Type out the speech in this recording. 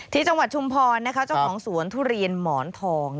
จังหวัดชุมพรเจ้าของสวนทุเรียนหมอนทอง